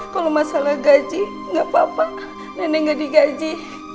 kalau masalah gaji gak apa apa nenek gak digaji